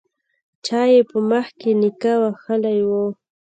چا يې په مخ کې نيکه وهلی و.